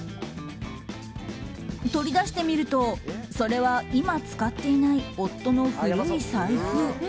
取り出してみると、それは今、使っていない夫の古い財布。